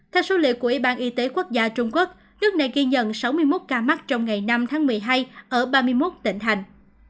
theo số liệu của ủy ban y tế quốc gia trung quốc nước này ghi nhận sáu mươi một ca mắc trong ngày năm tháng một mươi hai ở ba mươi một tỉnh thành